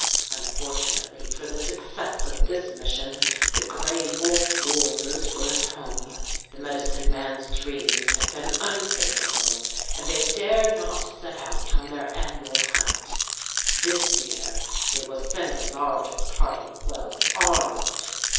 Unfortunately for the success of this mission, the Gray Wolf warriors were at home. The medicine man's dreams had been unfavorable, and they dared not set out on their annual hunt. This year they will send a larger party well armed.